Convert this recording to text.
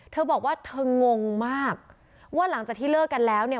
เธอบอกว่าเธองงมากว่าหลังจากที่เลิกกันแล้วเนี่ย